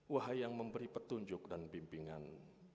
wahai yang memberi petunjuk dan bimbingan